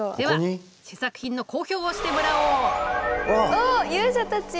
おっ勇者たち！